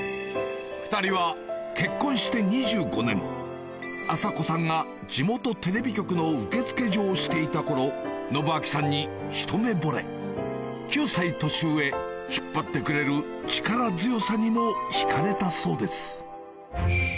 ２人は結婚して２５年麻子さんが地元テレビ局の受付嬢をしていた頃信章さんにひと目ぼれ９歳年上引っ張ってくれる力強さにも引かれたそうです